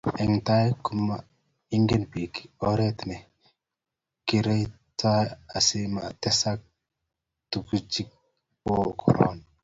eng' tai ko maingen biik oret ne kikertoi asimatesaka tunguichu bo korona.